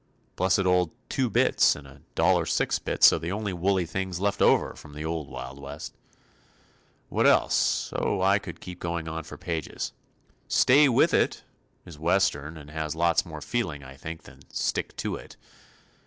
Blessed old "two bits" and a "dollar six bits" are the only woolly things left over from the old wild West. What else oh, I could keep on for pages. "Stay with it" is Western and has lots more feeling I think than "stick to it."